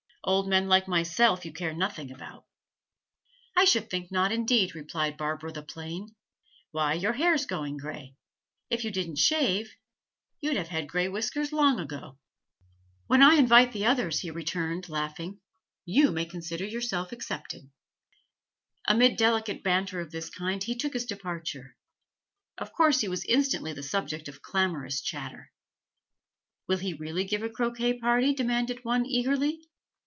Old men like myself you care nothing about.' 'I should think not, indeed,' replied Barbara the plain. 'Why, your hair's going grey. If you didn't shave, you'd have had grey whiskers long ago.' 'When I invite the others,' he returned, laughing, 'you may consider yourself excepted.' Amid delicate banter of this kind he took his departure. Of course he was instantly the subject of clamorous chatter. 'Will he really give a croquet party?' demanded one, eagerly.